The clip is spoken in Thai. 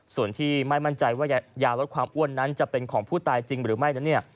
ส่วนที่ไม่มั่นใจว่ายาลดความอ้วนนั้นจะเป็นของผู้ตายจริงหรือไม่นั้น